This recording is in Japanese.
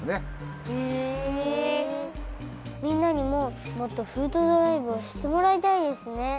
みんなにももっとフードドライブをしってもらいたいですね。